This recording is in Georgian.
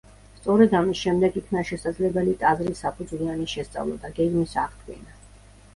სწორედ ამის შემდეგ იქნა შესაძლებელი ტაძრის საფუძვლიანი შესწავლა და გეგმის აღდგენა.